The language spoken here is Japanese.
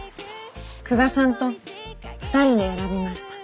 久我さんと２人で選びました。